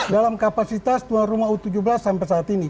dalam kapasitas tuan rumah u tujuh belas sampai saat ini